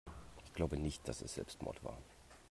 Ich glaube nicht, dass es Selbstmord war.